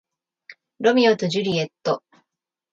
ロミオとジュリエット